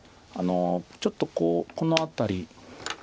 ちょっとこの辺り。